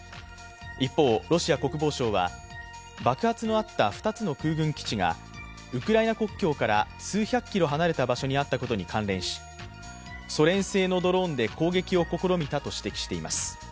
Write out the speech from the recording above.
一方、ロシア国防省は爆発のあった２つの空軍基地がウクライナ国境から数百キロ離れた場所にあったことに関連死ソ連製のドローンで攻撃を試みたと指摘しています。